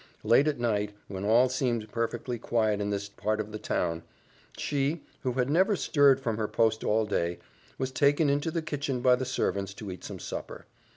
Late at night, when all seemed perfectly quiet in this part of the town, she, who had never stirred from her post all day, was taken into the kitchen by the servants to eat some supper.